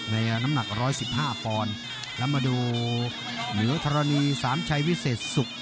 ในน้ำหนักร้อยสิบห้ากรอนแล้วมาดูเหนือเทราณีสามชายวิเศษสุก